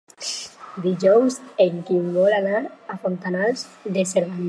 Dijous en Quim vol anar a Fontanals de Cerdanya.